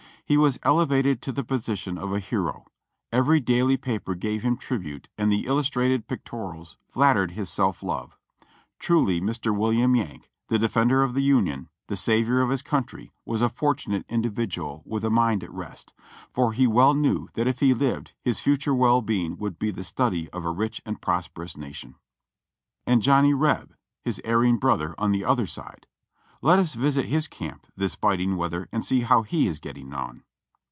He was elevated to the position of a hero : every daily paper gave him tribute and the illustrated pic torials flattered his self love. Truly Mr. William Yank, the de fender of the Union, the savior of his country, was a fortunate individual with a mind at rest, for he well knew that if he lived his future well being would be the study of a rich and prosperous nation. And Johnny Reb, his erring brother on the otlier side — let us visit his camp this biting weather and see how he is getting on.